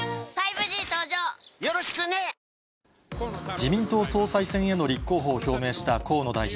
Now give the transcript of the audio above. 自民党総裁選への立候補を表明した河野大臣。